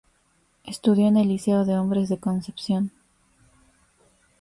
Estudió en el Liceo de Hombres de Concepción.